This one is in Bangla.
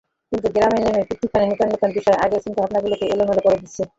কিন্তু গ্রামে নেমে প্রতিক্ষণে নতুন নতুন বিষয়, আগের চিন্তাভাবনাগুলোকে এলোমেলো করে দিচ্ছিল।